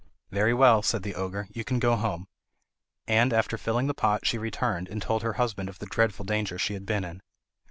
"Very well," said the ogre, "you can go home." And after filling the pot she returned, and told her husband of the dreadful danger she had been in.